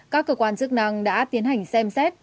các cơ quan chức năng đã tiến hành xem xét